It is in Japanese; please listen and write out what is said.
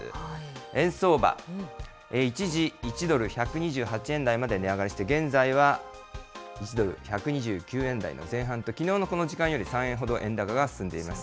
円相場、一時、１ドル１２８円台まで値上がりして、現在は１ドル１２９円台の前半と、きのうのこの時間より３円ほど円高が進んでいます。